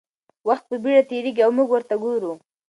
وخت په بېړه تېرېږي او موږ ورته ګورو.